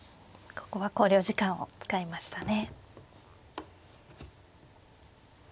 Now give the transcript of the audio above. ここは考慮時間を使いましたね。